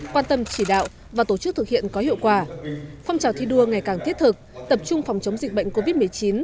quan tâm chỉ đạo và tổ chức thực hiện có hiệu quả phong trào thi đua ngày càng thiết thực tập trung phòng chống dịch bệnh covid một mươi chín